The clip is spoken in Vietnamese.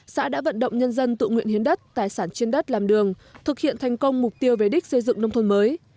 xã đã vận động nhân dân tự nguyện hiến đất tài sản trên đất làm đường thực hiện thành công mục tiêu về đích xây dựng nông thôn mới